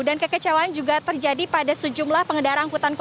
dan kekecewaan juga terjadi pada sejumlah pengendara angkutan